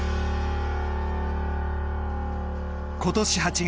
今年８月。